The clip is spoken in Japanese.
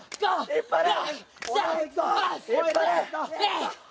引っ張れ！